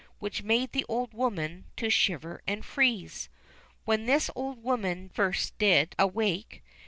Which made the old woman to shiver and freeze. When this old woman first did awake.